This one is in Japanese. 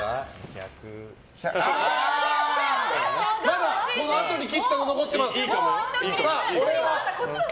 まだこのあとに切ったの残っています。